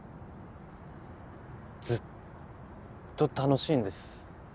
ずっと楽しいんです。